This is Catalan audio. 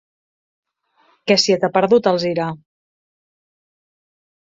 Què se t'hi ha perdut, a Alzira?